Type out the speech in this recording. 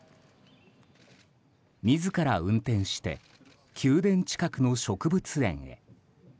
自ら運転して宮殿近くの植物園へ。